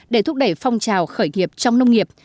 để thúc đẩy phong trào khởi nghiệp trong nông nghiệp